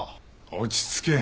落ち着け！